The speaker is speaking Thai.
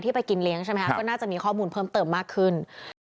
ไปกินเลี้ยงใช่ไหมคะก็น่าจะมีข้อมูลเพิ่มเติมมากขึ้น